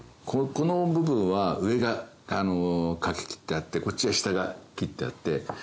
この部分は上がかき切ってあってこっちは下が切ってあって。